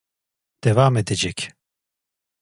Devam edecek...